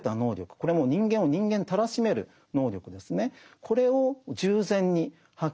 これはもう人間を人間たらしめる能力ですね。